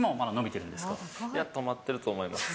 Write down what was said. いや、止まっていると思います。